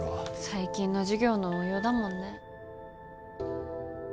最近の授業の応用だもんね。